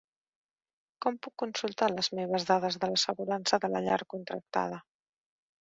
Com puc consultar les meves dades de l'assegurança de la llar contractada?